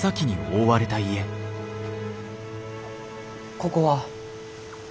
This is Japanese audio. ここは？